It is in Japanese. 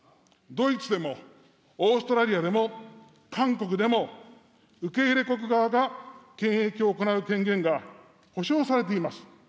ドイツでもオーストラリアでも韓国でも、受け入れ国側が検疫を行う権限が保障されています。